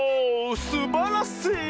すばらしい！